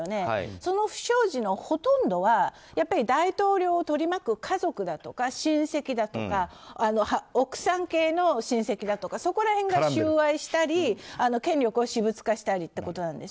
その不祥事のほとんどは大統領を取り巻く家族だとか親戚だとか奥さん系の親戚だとかそこら辺が収賄したり権力を私物化したりってことなんです。